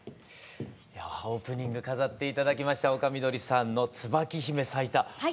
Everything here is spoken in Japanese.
オープニング飾って頂きました丘みどりさんの「椿姫咲いた」